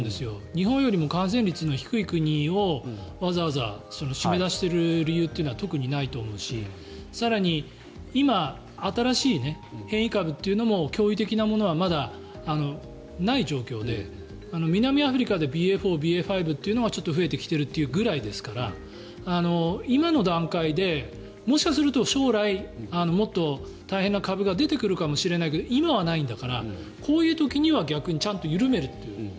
日本よりも感染率の低い国をわざわざ締め出している理由というのは特にないと思うし更に今、新しい変異株というのも驚異的なものはまだない状況で南アフリカでＢＡ．４、ＢＡ．５というのがちょっと増えてきてるというぐらいですから今の段階でもしかすると将来、もっと大変な株が出てくるかもしれないけど今はないんだからこういう時には逆にちゃんと緩めるという。